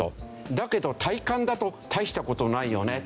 だけど体感だと大した事ないよねって。